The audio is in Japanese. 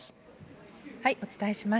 お伝えします。